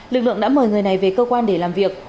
lực lượng đã mời người này về cơ quan để làm việc